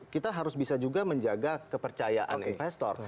kita harus bisa juga menjaga kepercayaan investor